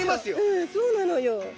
うんそうなのよ！